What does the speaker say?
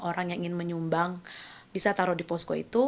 orang yang ingin menyumbang bisa taruh di posko itu